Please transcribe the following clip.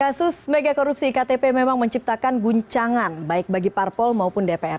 kasus mega korupsi iktp memang menciptakan guncangan baik bagi parpol maupun dpr